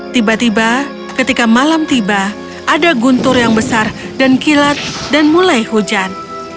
tiba tiba ketika malam tiba ada guntur yang besar dan kilat dan mulai hujan